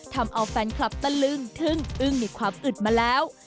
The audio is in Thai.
ทำเอาแฟนคลับตะลึงทึ่งอึ้งในความอึดมาแล้ว